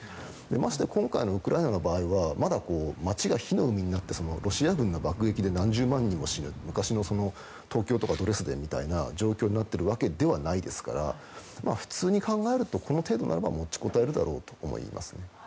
まして今回のウクライナの場合はまだ、街が火の海になってロシア軍の爆撃で何十万人も死ぬ昔の東京とかドレスデンみたいな状況になっているわけではないですから普通に考えるとこの程度ならば持ち応えるんだろうと思います。